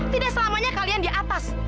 tidak selamanya kalian di atas